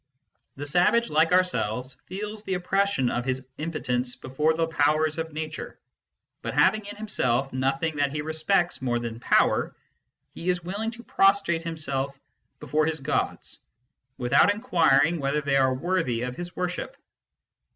The savage, like ourselves, feels the oppression of his impotence before the powers of Nature ; but having in himself nothing that he respects more than Power, he is willing to prostrate himself before his gods, without inquiring whether they are worthy of his worship.